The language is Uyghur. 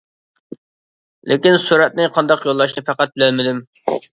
لېكىن سۈرەتنى قانداق يوللاشنى پەقەت بىلەلمىدىم.